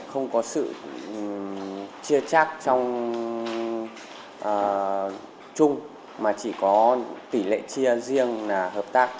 không có sự chia chắc trong chung mà chỉ có tỷ lệ chia riêng là hợp tác